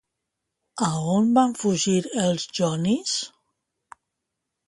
A on van fugir els jonis?